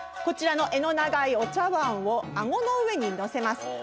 こちらの柄の長いお茶碗を顎の上にのせます。